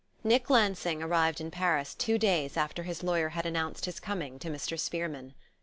NICK Lansing arrived in Paris two days after his lawyer had announced his coming to Mr. Spearman.